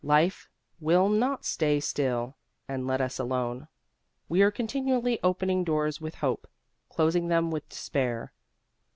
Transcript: Life will not stay still and let us alone. We are continually opening doors with hope, closing them with despair.